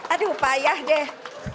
aduh payah deh